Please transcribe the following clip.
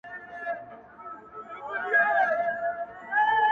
• په غوسه ورته وړوکی لوی حیوان وو ,